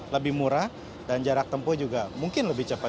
lebih murah dan jarak tempuh juga mungkin lebih cepat